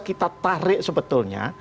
kita tarik sebetulnya